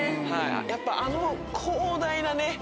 やっぱあの広大なね